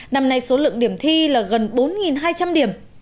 năm nay số lượng điểm thi là gần bốn hai trăm linh điểm